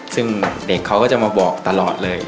ซึ่งเด็กเขาก็จะมาบอกตลอดเลย